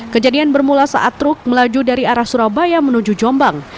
kejadian bermula saat truk melaju dari arah surabaya menuju jombang